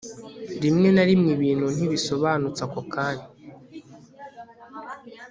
rimwe na rimwe ibintu ntibisobanutse ako kanya